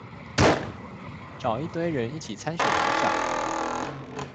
找一堆人一起參選里長